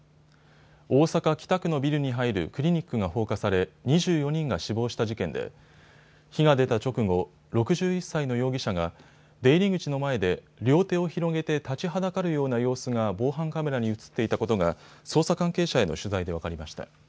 大阪北区のビルに入るクリニックが放火され２４人が死亡した事件で火が出た直後、６１歳の容疑者が出入り口の前で両手を広げて立ちはだかるような様子が防犯カメラに写っていたことが捜査関係者への取材で分かりました。